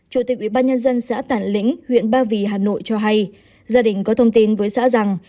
chủ tịch ubnd xã tản lĩnh huyện ba vì hà nội cho hay gia đình có thông tin với xã rằng